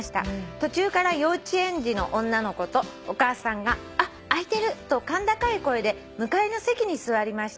「途中から幼稚園児の女の子とお母さんが『あっ空いてる』と甲高い声で向かいの席に座りました」